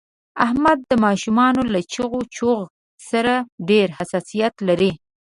احمد د ماشومانو له چغ چوغ سره ډېر حساسیت لري.